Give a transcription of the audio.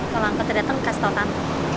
kalo angkotnya dateng kasih tau tante